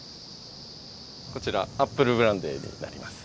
こちらアップルブランデーになります。